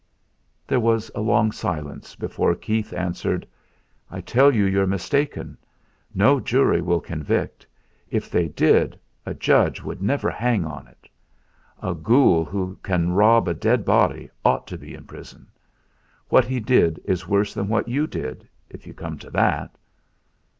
There was a long silence before Keith answered. "I tell you you're mistaken; no jury will convict. If they did, a judge would never hang on it. A ghoul who can rob a dead body ought to be in prison. What he did is worse than what you did, if you come to that!"